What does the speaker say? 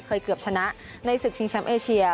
เกือบชนะในศึกชิงแชมป์เอเชีย